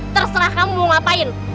terserah kamu mau ngapain